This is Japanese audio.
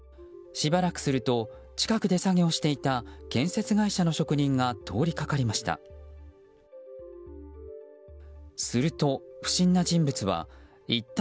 しばらくすると近くで作業していた建設会社の職人が通りがかりました。